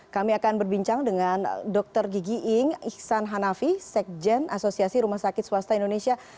kami akan berbincang dengan dr gigi ing ihsan hanafi sekjen asosiasi rumah sakit swasta indonesia